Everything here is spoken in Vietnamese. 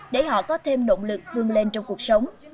để họ có thêm động lực vươn lên trong cuộc sống